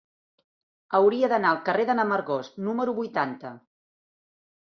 Hauria d'anar al carrer de n'Amargós número vuitanta.